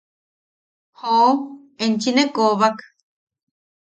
–¡Joo, enchi ne koobak!